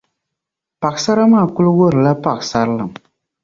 Paɣisara maa kuli wuhirili la paɣisarilim